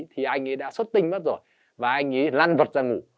thì anh ấy đã xuất tinh mất rồi và anh ấy lan vật ra ngự